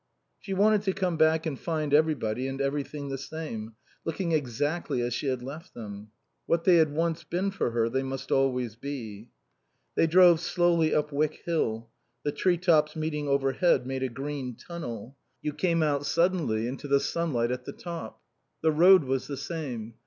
She wanted to come back and find everybody and everything the same, looking exactly as she had left them. What they had once been for her they must always be. They drove slowly up Wyck Hill. The tree tops meeting overhead made a green tunnel. You came out suddenly into the sunlight at the top. The road was the same.